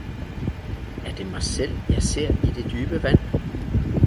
Er det mig selv, jeg seer i det dybe vand